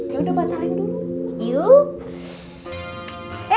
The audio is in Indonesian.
yaudah batalin dulu